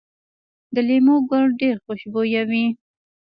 د لیمو ګل ډیر خوشبويه وي؟